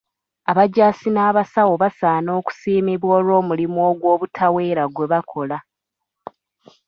Abajjaasi n'basawo basaana okusiimibwa olw'omulimu ogw'obutaweera gwe bakola.